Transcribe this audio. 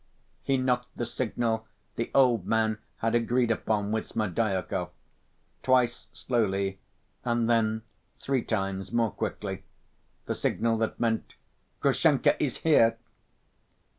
He knocked the signal the old man had agreed upon with Smerdyakov, twice slowly and then three times more quickly, the signal that meant "Grushenka is here!"